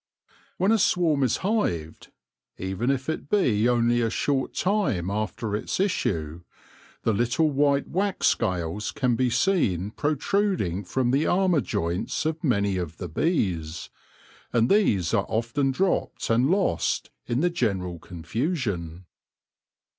When a swarm is hived, even if it be only a short time after its issue, the little white wax scales can be seen protruding from the armour joints of many of the bees, and these are often dropped and lost in the general confusion.